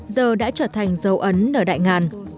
giờ đã trở thành dấu ấn nơi đại ngàn